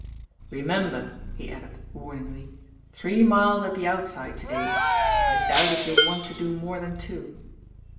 Remember," he added, wamingly, "three miles at the outside to day; I doubt if you'll want to do more than two."